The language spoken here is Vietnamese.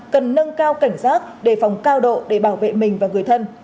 cần nâng cao cảnh giác đề phòng cao độ để bảo vệ mình và người thân